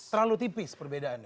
terlalu tipis perbedaannya